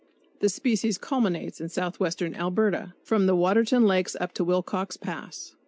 The species culminates in southwestern Alberta, from the Waterton Lakes up to Wilcox Pass.